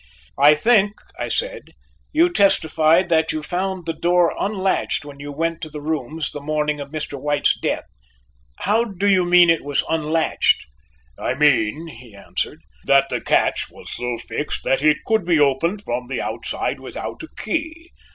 "I think," I said, "you testified that you found the door unlatched when you went to the rooms the morning of Mr. White's death. How do you mean it was unlatched?" "I mean," he answered, "that the catch was so fixed that it could be opened from the outside without a key.